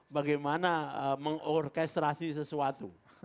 bagaimana mengorkestrasi sesuatu